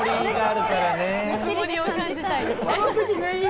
ぬくもりを感じたいですね。